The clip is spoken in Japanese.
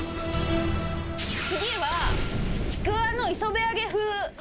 次はちくわの磯辺揚げ風。